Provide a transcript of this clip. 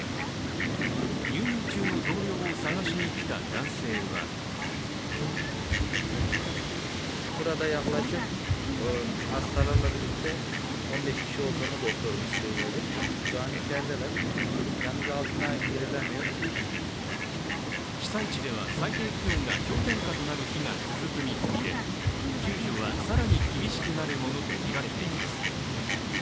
入院中の同僚を探しに来た男性は被災地では最低気温が氷点下となる日が続く見込みで救助は更に厳しくなるものとみられています。